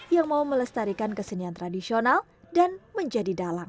yang mau melestarikan kesenian tradisional dan menjadi dalang